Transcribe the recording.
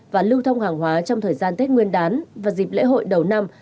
và lưu thông hàng hóa trong thời gian tết nguyên đán và dịp lễ hội đầu năm